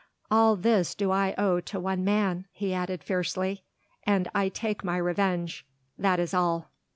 All this do I owe to one man," he added fiercely, "and I take my revenge, that is all."